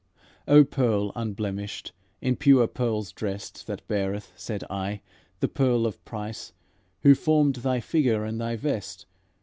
"O Pearl unblemished, in pure pearls dressed, That beareth," said I, "the pearl of price, Who formed thy figure and thy vest?